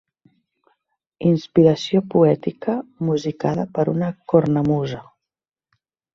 Inspiració poètica musicada per una cornamusa.